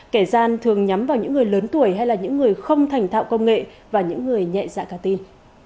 kẻ gian thường nhắm vào những người lớn tuổi hay là những người không thành thạo công nghệ và những người nhẹ dạ cả tin